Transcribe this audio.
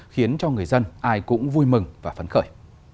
khiến cho người dân ai cũng vui mừng và phấn khởi